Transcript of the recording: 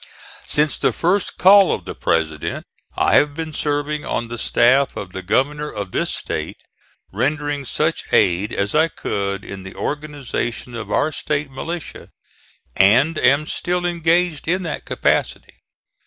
Since the first call of the President I have been serving on the staff of the Governor of this State, rendering such aid as I could in the organization of our State militia, and am still engaged in that capacity.